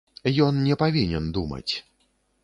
Ён не павінен думаць.